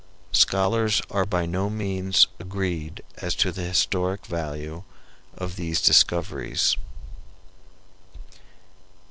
Scholars are by no means agreed as to the historic value of these discoveries.